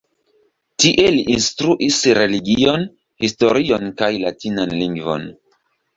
Tie li instruis religion, historion kaj latinan lingvon.